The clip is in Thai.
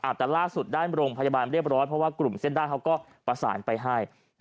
แต่ล่าสุดได้โรงพยาบาลเรียบร้อยเพราะว่ากลุ่มเส้นได้เขาก็ประสานไปให้